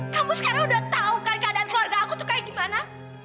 kamu sekarang udah tau kan keadaan keluarga aku tuh kayak gimana